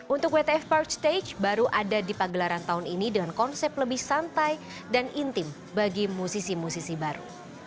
untuk wtf park stage baru ada di pagelaran tahun ini dengan konsep lebih santai dan intim bagi musisi musisi baru